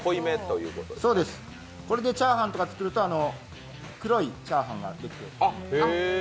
これでチャーハンとか作ると黒いチャーハンができる。